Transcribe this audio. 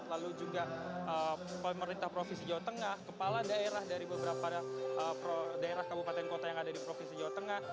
lalu juga pemerintah provinsi jawa tengah kepala daerah dari beberapa daerah kabupaten kota yang ada di provinsi jawa tengah